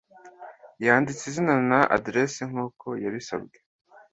Yanditse izina na aderesi nkuko yabisabwe.